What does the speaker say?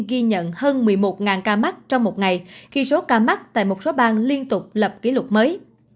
ghi nhận hơn một mươi một ca mắc trong một ngày khi số ca mắc tại một số bang liên tục lập kỷ lục mới